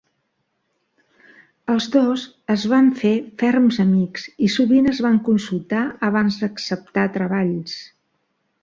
Els dos es van fer ferms amics i sovint es van consultar abans d'acceptar treballs.